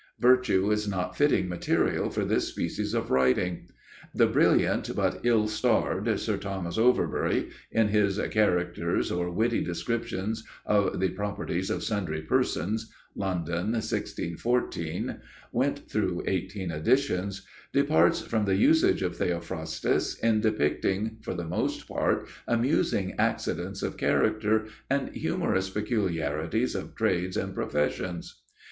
Virtue is not fitting material for this species of writing. The brilliant but ill starred Sir Thomas Overbury, in his Characters or Witty Descriptions of the Properties of Sundry Persons (London, 1614; went through eighteen editions), departs from the usage of Theophrastus in depicting for the most part amusing accidents of character and humorous peculiarities of trades and professions.